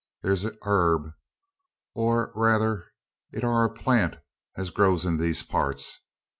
Thur's a yarb, or rayther it air a plant, as grows in these parts.